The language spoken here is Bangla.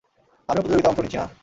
আমিও প্রতিযোগিতায় অংশ নিচ্ছি, না?